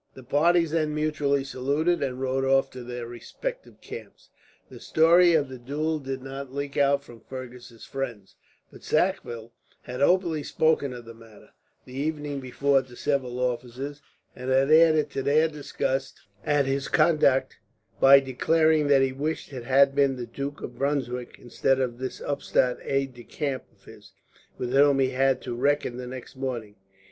The parties then mutually saluted, and rode off to their respective camps. The story of the duel did not leak out from Fergus's friends; but Sackville had openly spoken of the matter, the evening before, to several officers; and had added to their disgust at his conduct by declaring that he wished it had been the Duke of Brunswick, instead of this upstart aide de camp of his, with whom he had to reckon the next morning.